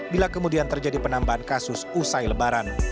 bila kemudian terjadi penambahan kasus usai lebaran